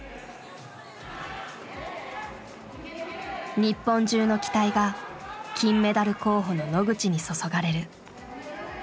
日本中の期待が金メダル候補の野口に注がれる。